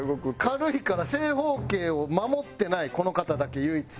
軽いから正方形を守ってないこの方だけ唯一。